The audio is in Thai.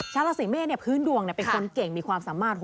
ชาวราศีเมษพื้นดวงเป็นคนเก่งมีความสามารถ